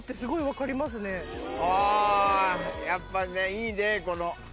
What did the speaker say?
あぁやっぱねいいねこの。